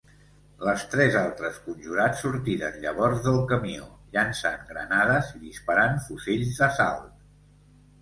Les tres altres conjurats sortiren llavors del camió, llançant granades i disparant fusells d’assalt.